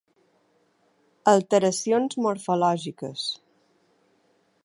Alteracions morfològiques.